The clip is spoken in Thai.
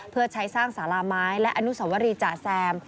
เพื่อใช้สร้างสาราไม้และอนุสวรีจ่าแซม